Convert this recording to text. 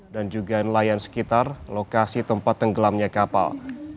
dan juga nelayan sekitar lokasi tempat tenggelamnya kapal